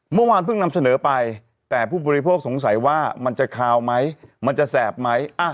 เมื่อวานเพิ่งนำเสนอไปแต่ผู้บริโภคสงสัยว่ามันจะคาวไหมมันจะแสบไหม